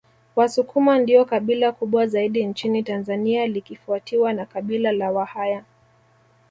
Wasukuma ndio kabila kubwa zaidi nchini Tanzania likifuatiwa na Kabila la Wahaya